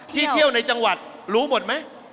เที่ยวในจังหวัดรู้หมดไหม